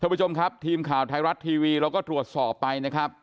ผู้ชมครับทีมข่าวไทยรัฐทีวีเราก็ตรวจสอบไปนะครับ